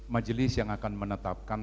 majelis yang akan menetapkan